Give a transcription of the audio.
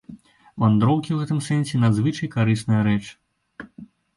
Вандроўкі ў гэтым сэнсе надзвычай карысная рэч.